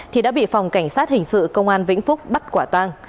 thì đã bị phòng cảnh sát hình sự công an vĩnh phúc bắt quả tang